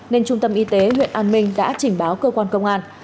nên trung tâm y tế huyện an minh đã trình báo cơ quan công an